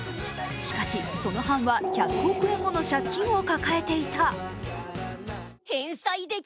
しかし、その藩は１００億円もの借金を抱えてた。